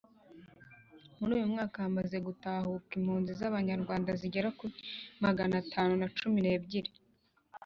Muri uyu mwaka hamaze gutahuka impunzi z abanyarwanda zigera kuri maganatanu na cumi n’ebyiri